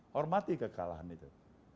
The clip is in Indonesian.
hormati kekalahan itu